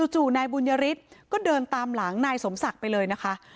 จู่นายบุญยฤทธิ์ก็เดินตามหลังนายสมศักดิ์ไปเลยนะคะ